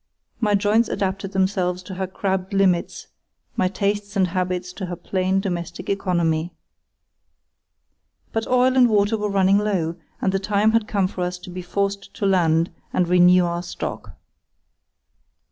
My joints adapted themselves to her crabbed limits, my tastes and habits to her plain domestic economy. But oil and water were running low, and the time had come for us to be forced to land and renew our stock.